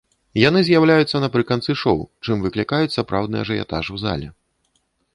Яны з'яўляюцца напрыканцы шоў, чым выклікаюць сапраўдны ажыятаж у зале.